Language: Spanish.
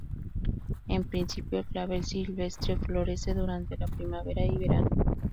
En principio, el clavel silvestre florece durante la primavera y verano.